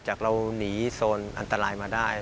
เราหนีโซนอันตรายมาได้